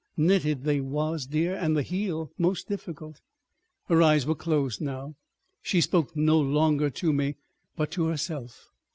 Knitted they was, dear, and the heel most difficult." Her eyes were closed now. She spoke no longer to me but to herself.